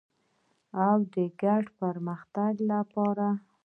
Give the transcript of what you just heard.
او د ګډ پرمختګ لپاره.